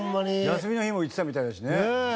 休みの日も行ってたみたいだしね。